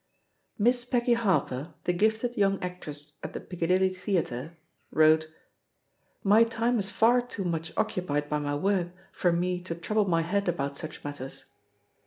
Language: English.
"Miss Peggy Harper, the gifted yoimg actress at the Picca dilly Theatre," wrote : "My time is far too much occupied by my work for me to trouble my head about such matters."